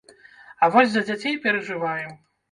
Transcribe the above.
А вось за дзяцей перажываем.